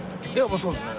そうですね。